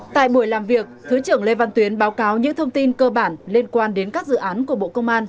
tại buổi làm việc thứ trưởng lê văn tuyến báo cáo những thông tin cơ bản liên quan đến các dự án của bộ công an